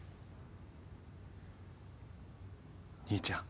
兄ちゃん。